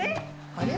あれ？